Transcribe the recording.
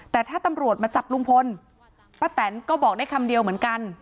แต่ถ้าตำรวจมาจับลุงพลป้าแตนก็บอกได้คำเดียวเหมือนกัน